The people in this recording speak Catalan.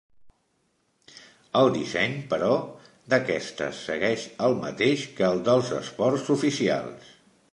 El disseny, però, d'aquestes segueix el mateix que el dels Esports Oficials.